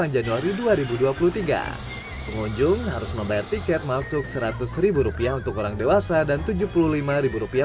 januari dua ribu dua puluh tiga pengunjung harus membayar tiket masuk seratus rupiah untuk orang dewasa dan tujuh puluh lima rupiah